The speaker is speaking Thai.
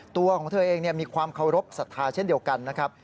ตัวของเธอเองมีความเคารพสัทธาเช่นเดียวกันนะครับ